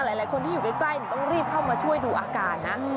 หลายคนที่อยู่ใกล้ต้องรีบเข้ามาช่วยดูอาการนะ